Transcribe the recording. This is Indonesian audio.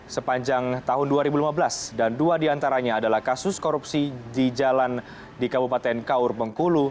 sepanjang tahun dua ribu lima belas dan dua diantaranya adalah kasus korupsi di jalan di kabupaten kaur bengkulu